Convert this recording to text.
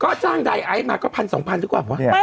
ก็สร้างไดยไอ๊มาก็๑๐๐๐๒๐๐๐กว่ากว่า